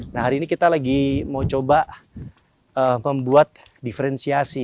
nah hari ini kita lagi mau coba membuat diferensiasi